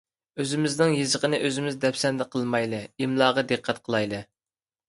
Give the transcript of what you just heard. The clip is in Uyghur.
ئۆزىمىزنىڭ يېزىقىنى ئۆزىمىز دەپسەندە قىلمايلى! ئىملاغا دىققەت قىلايلى!